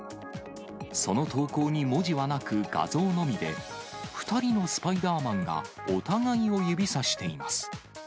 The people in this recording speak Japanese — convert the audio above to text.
その投稿に文字はなく、画像のみで、２人のスパイダーマンがお互いを指さしています。